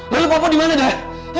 lalu papa dimana dah